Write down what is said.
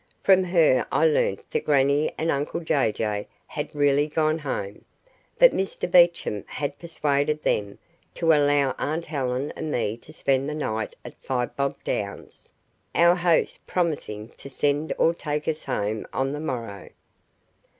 From her I learnt that grannie and uncle Jay Jay had really gone home, but Mr Beecham had persuaded them to allow aunt Helen and me to spend the night at Five Bob Downs, our host promising to send or take us home on the morrow.